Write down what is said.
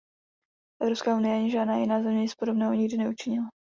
Evropská unie ani žádná jiná země nic podobného nikdy neučinila.